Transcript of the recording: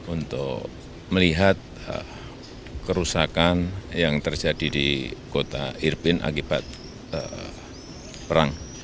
untuk melihat kerusakan yang terjadi di kota irpin akibat perang